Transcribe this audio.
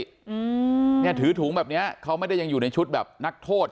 อืมเนี้ยถือถุงแบบเนี้ยเขาไม่ได้ยังอยู่ในชุดแบบนักโทษ